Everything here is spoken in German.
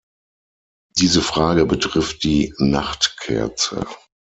Diese Frage betrifft die Nachtkerze.